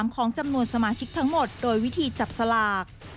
ของจำนวนสมาชิกทั้งหมดโดยวิธีจับสลาก